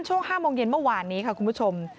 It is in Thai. ช่วง๕โมงเย็นเมื่อวานนี้ค่ะคุณผู้ชม